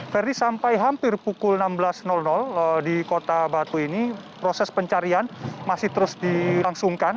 ferdi sampai hampir pukul enam belas di kota batu ini proses pencarian masih terus dilangsungkan